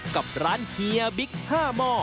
กับร้านเฮียบิ๊ก๕หม้อ